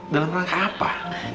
dalam hal apa